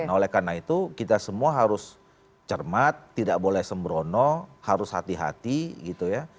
nah oleh karena itu kita semua harus cermat tidak boleh sembrono harus hati hati gitu ya